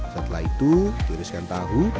setelah itu tiriskan tahu